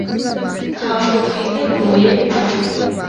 Ntabwo twiteguye kubi.